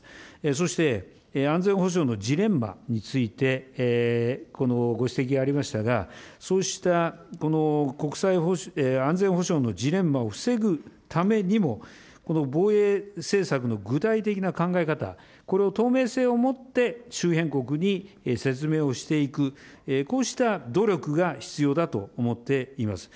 そして安全保障のジレンマについて、ご指摘がありましたが、そうしたこの国際安全保障のジレンマを防ぐためにも、防衛政策の具体的な考え方、これを透明性を持って周辺国に説明をしていく、こうした努力が必要だと思っています。